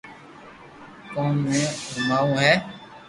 ڪوم ني گوماوو ھي